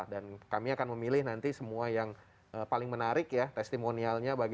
dan kami akan memilih nanti semua yang paling menarik ya testimonialnya